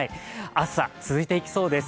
暑さ、続いていきそうです。